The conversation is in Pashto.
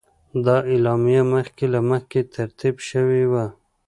دا اعلامیه مخکې له مخکې ترتیب شوې وه.